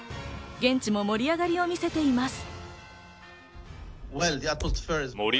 現地も盛り上がりを見せています。